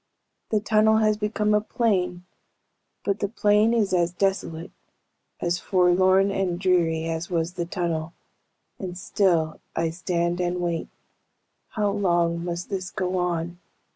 The tunnel has become a plain, but the plain is as desolate, as forlorn and dreary as was the tunnel, and still I stand and wait. How long must this go on?"